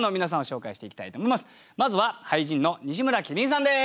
まずは俳人の西村麒麟さんです。